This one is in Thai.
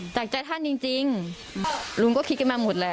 จากใจท่านจริงรุงก็คิดมาทั้งหมด